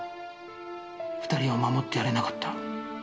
２人を守ってやれなかった。